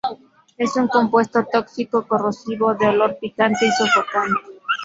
Es un compuesto tóxico, corrosivo, de olor picante y sofocante.